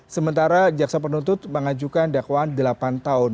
sementara jaksa penuntut mengajukan dakwaan delapan tahun